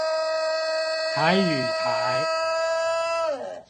台語台